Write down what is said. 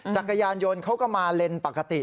จักรยานยนต์เขาก็มาเลนปกติ